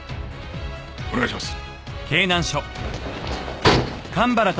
お願いします。